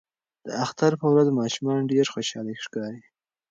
د اختر په ورځ ماشومان ډیر خوشاله ښکاري.